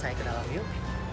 saya ke dalam yuk